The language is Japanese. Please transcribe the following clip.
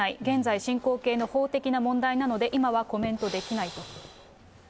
現在進行形の法的な問題なので、今はコメントできないと。